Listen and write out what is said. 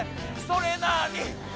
それなに？